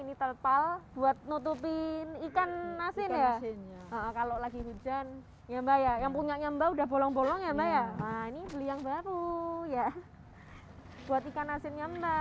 ikan asinnya yang sedang dijebur